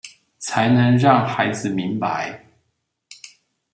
才能讓孩子明白